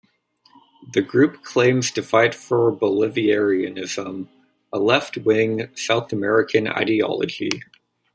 The group claims to fight for Bolivarianism, a left-wing, South American ideology.